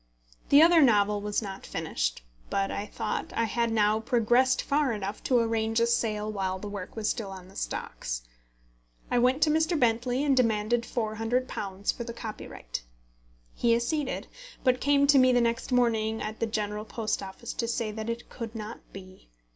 The other novel was not finished; but I thought I had now progressed far enough to arrange a sale while the work was still on the stocks. I went to Mr. Bentley and demanded £400, for the copyright. He acceded, but came to me the next morning at the General Post Office to say that it could not be.